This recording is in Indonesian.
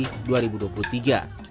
yang akan diperoleh oleh bapak ibu bapak